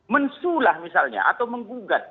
mensulah misalnya atau menggugat